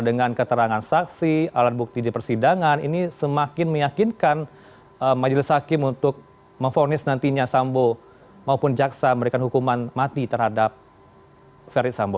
dengan keterangan saksi alat bukti di persidangan ini semakin meyakinkan majelis hakim untuk memfonis nantinya sambo maupun jaksa memberikan hukuman mati terhadap ferry sambo